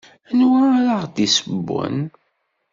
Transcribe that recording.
Anwa ara aɣ-d-yessewwen?